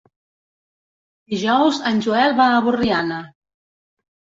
Dijous en Joel va a Borriana.